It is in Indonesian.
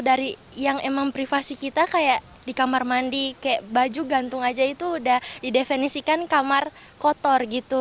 dari yang emang privasi kita kayak di kamar mandi kayak baju gantung aja itu udah didefinisikan kamar kotor gitu